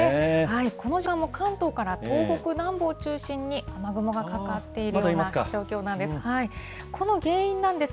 この時間も、関東から東北南部を中心に、雨雲がかかっているような状況なんです。